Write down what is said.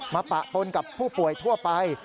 ปะปนกับผู้ป่วยทั่วไป